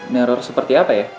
nero seperti apa ya